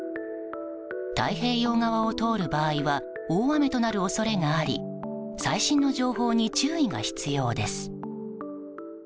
太平洋側を通る場合は大雨となる恐れがあり最新の情報に注意が必要です。